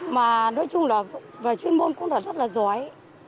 mà nói chung là về chuyên môn cũng là rất là giỏi